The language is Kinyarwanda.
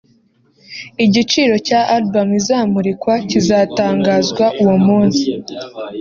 Igiciro cya album izamurikwa kizatangazwa uwo munsi